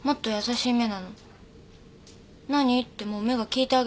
「何？」ってもう目が聞いてあげてるの。